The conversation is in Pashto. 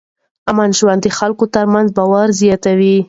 امن ژوند د خلکو ترمنځ باور زیاتوي.